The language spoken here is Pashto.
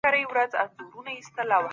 که ټولنيز قوانين مراعات سي جرم کميږي.